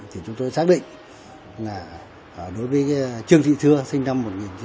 thì chúng tôi xác định là đối với trương thị thưa sinh năm một nghìn chín trăm tám mươi